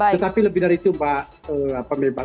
tetapi lebih dari itu mbak pemirsa